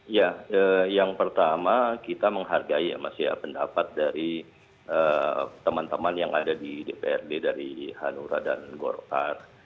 ya yang pertama kita menghargai ya mas ya pendapat dari teman teman yang ada di dprd dari hanura dan golkar